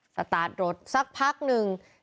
สตาร์ทรถสักพักหนึ่ง